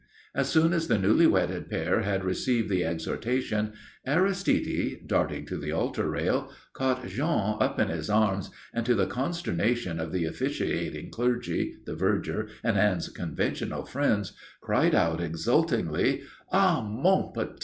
As soon as the newly wedded pair had received the exhortation, Aristide, darting to the altar rail, caught Jean up in his arms, and, to the consternation of the officiating clergy, the verger, and Anne's conventional friends, cried out exultingly: "_Ah, mon petit.